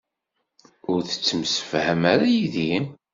Ur tettemsefham ara yid-i?